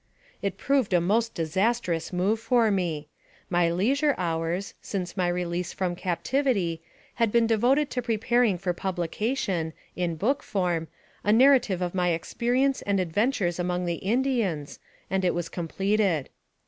It proved a most disastrous move for me. My leisure hours, since my release from captivity, had been devoted to preparing for publication, in book form, a narrative of my experience and adventures among the Indians, and it was completed.